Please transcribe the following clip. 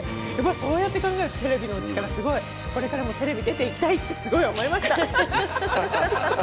そうやって考えるとテレビの力すごいこれからもテレビ出ていきたいってすごい思いました。